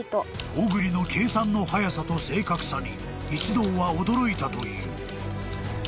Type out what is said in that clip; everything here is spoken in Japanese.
［小栗の計算の速さと正確さに一同は驚いたという］